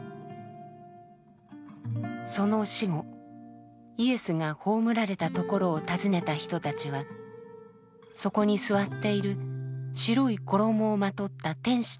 その死後イエスが葬られたところを訪ねた人たちはそこに座っている白い衣をまとった天使と出会います。